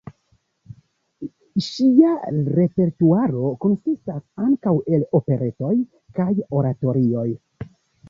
Ŝia repertuaro konsistas ankaŭ el operetoj kaj oratorioj.